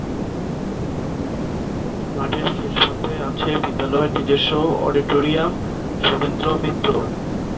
মাঠের শেষপ্রান্তে আছে বিদ্যালয়ের নিজস্ব অডিটোরিয়াম, সুরেন্দ্র মঞ্চ।